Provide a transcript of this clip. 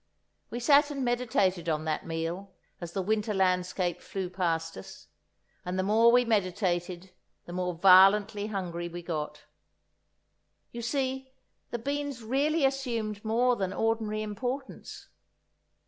We sat and meditated on that meal, as the winter landscape flew past us, and the more we meditated the more violently hungry we got. You see, the beans really assumed more than ordinary importance.